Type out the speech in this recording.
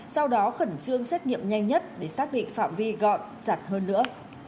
sau đó khẩn trương xét nghiệm nhanh nhất để xác định phạm vi gọn chặt hơn nữa